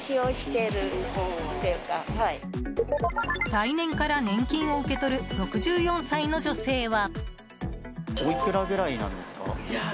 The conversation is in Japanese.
来年から年金を受け取る６４歳の女性は。